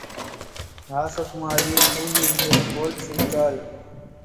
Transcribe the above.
ராசகுமாரி பூவிரிந்ததுபோல் சிரித்தாள்.